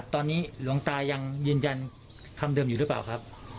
ตอนนี้หลวงตายังยืนยันคำเดิมอยู่หรือเปล่าครับ